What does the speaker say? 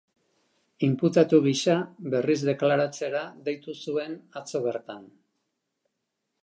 Inputatu gisa berriz deklaratzera deitu zuen atzo bertan.